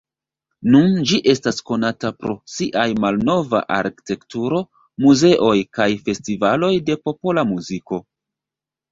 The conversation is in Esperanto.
Nun ĝi estas konata pro siaj malnova arkitekturo, muzeoj kaj festivaloj de popola muziko.